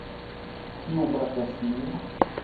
Kiu batas min?